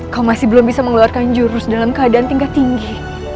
kau masih belum bisa mengeluarkan jurus dalam keadaan tingkat tinggi